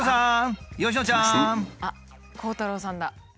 あっ鋼太郎さんだ。